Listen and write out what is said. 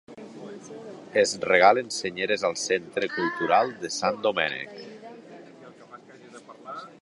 Es regalen senyeres al Centre Cultural de Sant Domènec.